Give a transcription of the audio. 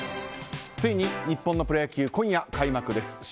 ついに日本のプロ野球今夜開幕です。